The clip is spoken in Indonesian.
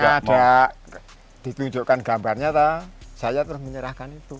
karena nggak ada ditunjukkan gambarnya saya terus menyerahkan itu